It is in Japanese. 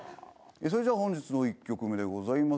それじゃあ本日の１曲目でございます。